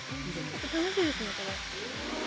楽しいですねこれ。